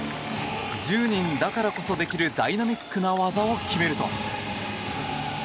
１０人だからこそできるダイナミックな技を決めると。